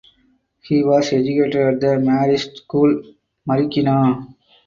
He was educated at the Marist School (Marikina).